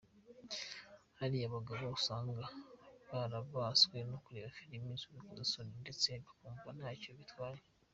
Hari abagabo usanga barabaswe no kureba filime z’urukozasoni ndetse bakumva ntacyo bitwaye.